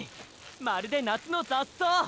まるで夏の雑草！